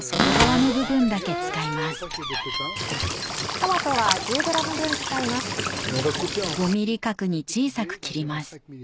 トマトは１０ｇ分使います。